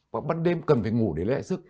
và ban đêm cần phải ngủ để lấy lại sức